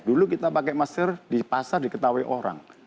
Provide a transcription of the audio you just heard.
dulu kita pakai masker di pasar diketahui orang